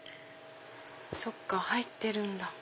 そっか入ってるんだ。